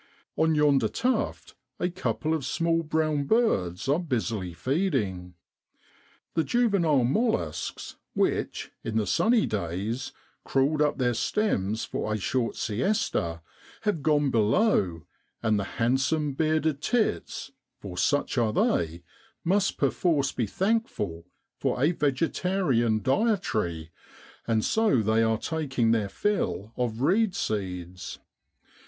On yonder tuft a couple of small brown birds are busily feeding. The juvenile molluscs, which, in the sunny days crawled up their stems for a short siesta, have gone below, and the handsome bearded tits, for such are they, must perforce be thankful for a vegetarian dietary, and so they are taking their fill of reed seeds.